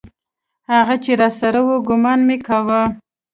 هغه چې راسره و ګومان مې کاوه.